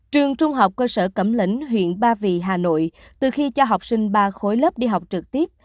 trường trung học cơ sở cẩm lĩnh huyện ba vì hà nội từ khi cho học sinh ba khối lớp đi học trực tiếp